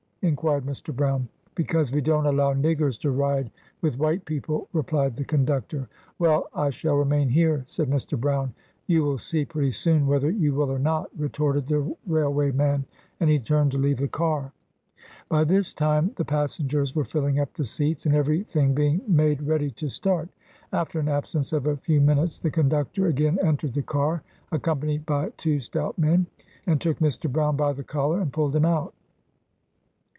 inquired Mr. Brown. "Be cause we don't allow niggers to ride with white peo ple," replied the conductor. "Well, I shall remain here," said Mr. Brown. "You will see, pretty soon, whether you will or not," retorted the railway man, as he turned to leave the car. By this time, the pas sengers were filling up the seats, and every thing being made ready to start. After an absence of a few min utes, the conductor again entered the car, accompanied by two stout men, and took Mr. Brown by the collar and pulled him out.